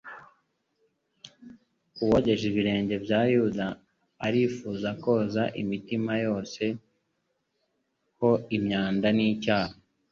Uwogeje ibirenge bya Yuda, arifuza koza imitima yose ho imyanda y'icyaha.